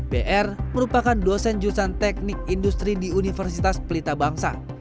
br merupakan dosen jurusan teknik industri di universitas pelita bangsa